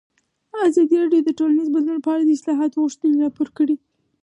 ازادي راډیو د ټولنیز بدلون په اړه د اصلاحاتو غوښتنې راپور کړې.